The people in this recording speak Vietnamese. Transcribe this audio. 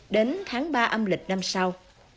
đến tháng ba âm lịch năm sau